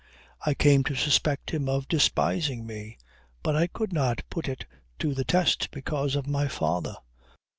I came to suspect him of despising me; but I could not put it to the test because of my father.